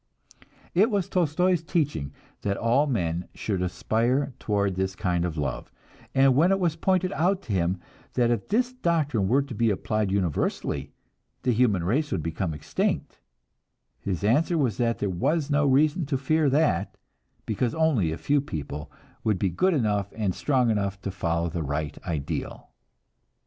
It was Tolstoi's teaching that all men should aspire toward this kind of love, and when it was pointed out to him that if this doctrine were to be applied universally, the human race would become extinct, his answer was that there was no reason to fear that, because only a few people would be good enough and strong enough to follow the right ideal!